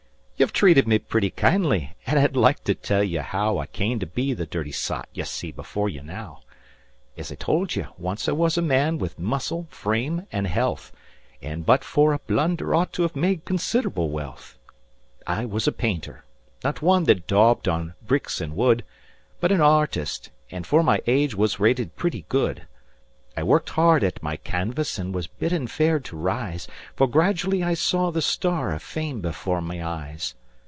"You've treated me pretty kindly and I'd like to tell you how I came to be the dirty sot you see before you now. As I told you, once I was a man, with muscle, frame, and health, And but for a blunder ought to have made considerable wealth. "I was a painter not one that daubed on bricks and wood, But an artist, and for my age, was rated pretty good. I worked hard at my canvas, and was bidding fair to rise, For gradually I saw the star of fame before my eyes.